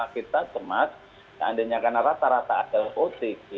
kita cemas andainya karena rata rata ada otg